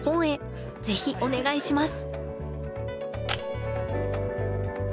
ぜひお願いします。